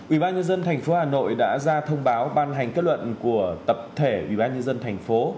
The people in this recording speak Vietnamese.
ủy ban nhân dân thành phố hà nội đã ra thông báo ban hành kết luận của tập thể ủy ban nhân dân thành phố